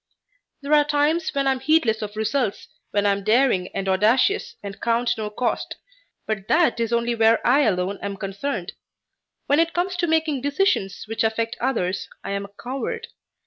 There are times when I am heedless of results, when I am daring and audacious and count no cost, but that is only where I alone am concerned. When it comes to making decisions which affect others I am a coward.